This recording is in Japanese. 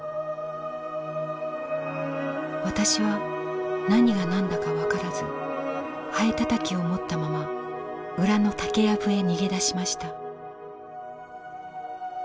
私は何が何だか分からずハエたたきを持ったまま裏の竹やぶへ逃げ出しました。